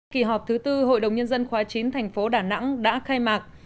kỳ họp thứ tư hội đồng nhân dân khóa chín thành phố đà nẵng đã khai mạc